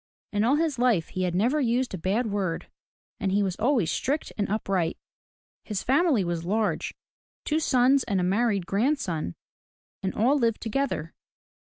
In all his life he had never used a bad word, and he was always strict and upright. His family was large, — two sons and a married grandson, — and all lived together.